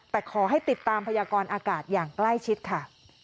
แต่ขอให้ติดตามพยากรอากาศอย่างใกล้ชิดค่ะ